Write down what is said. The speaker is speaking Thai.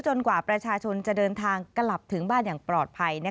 กว่าประชาชนจะเดินทางกลับถึงบ้านอย่างปลอดภัย